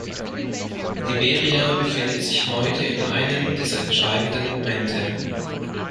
Liberia befindet sich heute in einem dieser entscheidenden Momente.